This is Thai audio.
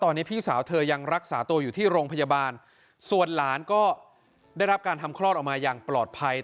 ตอนนี้พี่สาวเธอยังรักษาตัวอยู่ที่โรงพยาบาลส่วนหลานก็ได้รับการทำคลอดออกมาอย่างปลอดภัย